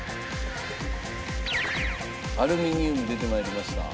アルミニウム出て参りました。